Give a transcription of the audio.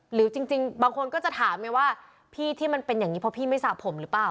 หรือจริงบางคนก็จะถามไงว่าพี่ที่มันเป็นอย่างนี้เพราะพี่ไม่สระผมหรือเปล่า